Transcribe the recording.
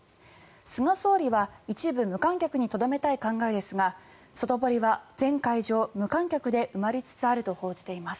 菅総理は一部無観客にとどめたい考えですが外堀は、全会場、無観客で埋まりつつあると報じています。